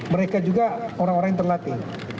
mereka juga orang orang yang terlatih